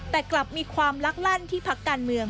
แต่กลับมีความลักลั่นที่พักการเมือง